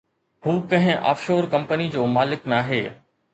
هو ڪنهن offshore company جو مالڪ ناهي.